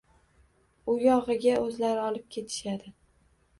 U yog`iga o`zlari olib ketishadi